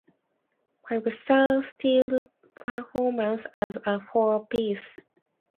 Five Star still perform as a four piece.